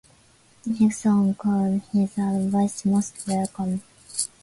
Nixon called his advice "most welcome".